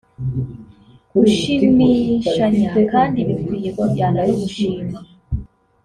Gushimishanya kandi bikwiye kujyana no gushima